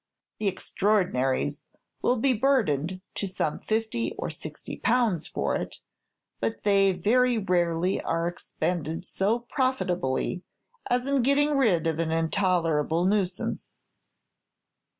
"The extraordinaries" will be burdened to some fifty or sixty pounds for it; but they very rarely are expended so profitably as in getting rid of an intolerable nuisance.